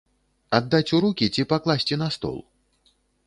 Аддаць у рукі ці пакласці на стол?